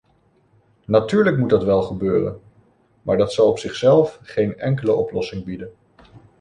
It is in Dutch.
Natuurlijk moet dat wel gebeuren maar dat zal op zichzelf geen enkele oplossing bieden.